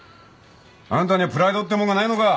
あんたにはプライドってもんがないのか？